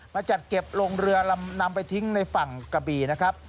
จัดเก็บลงเรือลำนำไปทิ้งในฝั่งกะบี่นะครับ